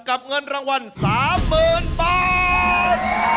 กับเงินรางวัลสามหมื่นบาท